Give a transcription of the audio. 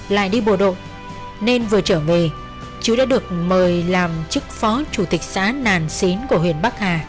lại đi bộ đội nên vừa trở về chứ đã được mời làm chức phó chủ tịch xã nàn xín của huyện bắc hà